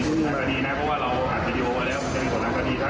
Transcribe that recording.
มันไม่มุ่งมาดีนะเพราะว่าเราอัดวิดีโอแล้ว